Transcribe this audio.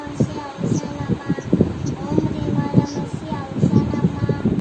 প্রধান শিক্ষক মকছেদ আলী স্ট্যাটাসটি লাইক ও শেয়ার করে প্রচারণায় সহযোগিতা করেছেন।